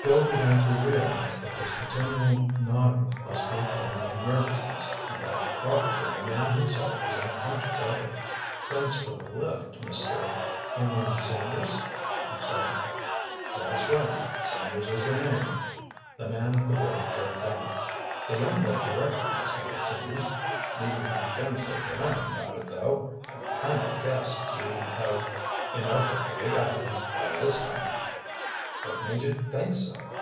Bill began to realize that this continual nodding must be a form of nervousness and that probably the man himself was unconscious of it. "Thanks for the lift, Mr.—er—Sanders?" he said. "That's right—Sanders is the name," the man at the wheel jerked out. "The young lady recognized me, it seems. Needn't have been so dramatic about it, though. I kind of guessed you'd have enough of Pig Island by this time." "What made you think so?"